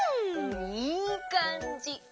いいかんじ！